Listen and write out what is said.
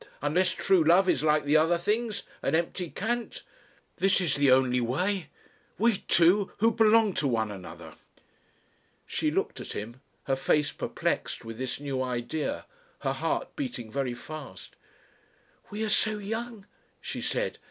Unless True Love is like the other things an empty cant. This is the only way. We two who belong to one another." She looked at him, her face perplexed with this new idea, her heart beating very fast. "We are so young," she said.